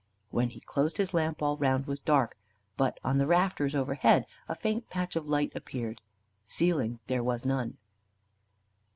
When he closed his lamp all around was dark, but on the rafters overhead a faint patch of light appeared ceiling there was none.